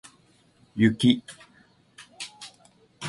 雪